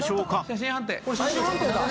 これ写真判定だ。